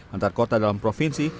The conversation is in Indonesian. antar kota dalam provinsi